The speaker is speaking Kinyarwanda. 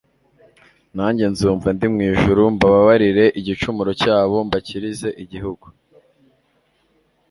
nanjye nzumva ndi mu ijuru mbababarire igicumuro cyabo mbakirize igihugu